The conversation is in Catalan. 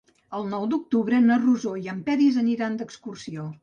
El nou d'octubre na Rosó i en Peris aniran d'excursió.